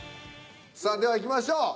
さあではいきましょう。